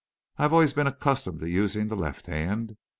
"I have always been accustomed to using the left hand.